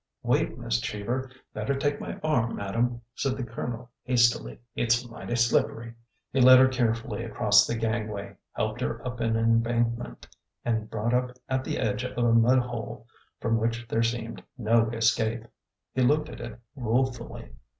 ''Wait, Miss Cheever! Better take my arm, madam," said the Colonel, hastily. " It 's mighty slippery !" He led her carefully across the gangway, helped her up an embankment, and brought up at the edge of a mud hole from which there seemed no escape. He looked at it ruefully.